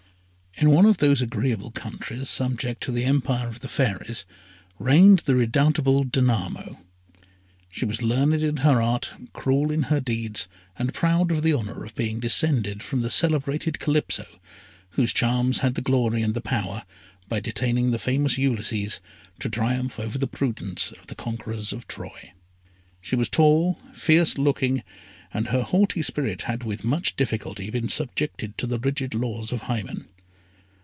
In one of those agreeable countries subject to the Empire of the Fairies, reigned the redoubtable Danamo. She was learned in her art, cruel in her deeds, and proud of the honour of being descended from the celebrated Calypso, whose charms had the glory and the power, by detaining the famous Ulysses, to triumph over the prudence of the conquerors of Troy. She was tall, fierce looking, and her haughty spirit had with much difficulty been subjected to the rigid laws of Hymen.